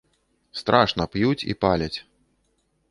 Страшна п'юць і паляць.